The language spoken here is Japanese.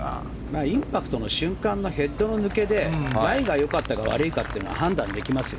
インパクトの瞬間がヘッドの抜けでライが良かったか悪いかは判断できますよ。